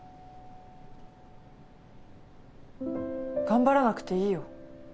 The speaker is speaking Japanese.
頑張らなくていいよ。